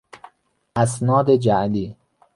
اسناد جعلی